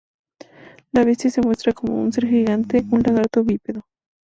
La bestia se muestra como un ser gigante, un lagarto bípedo.